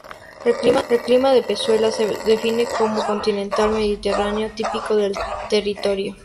El clima de Pezuela se define como continental-mediterráneo, típico del territorio.